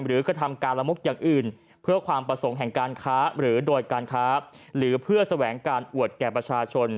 หรือเพื่อแสวงการอวดแก่ประชาชน